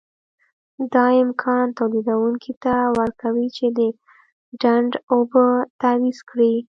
دا امکان تولیدوونکي ته ورکوي چې د ډنډ اوبه تعویض کړي.